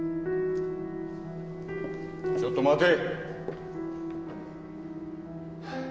ちょっと待て。